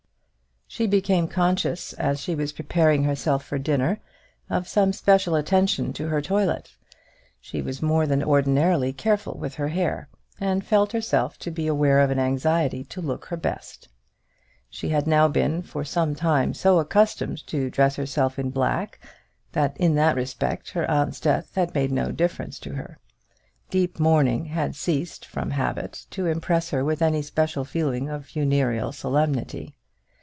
She became conscious, as she was preparing herself for dinner, of some special attention to her toilet. She was more than ordinarily careful with her hair, and felt herself to be aware of an anxiety to look her best. She had now been for some time so accustomed to dress herself in black, that in that respect her aunt's death had made no difference to her. Deep mourning had ceased from habit to impress her with any special feeling of funereal solemnity.